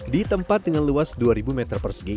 di tempat dengan luas dua ribu meter persegi ini